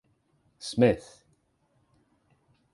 Smith?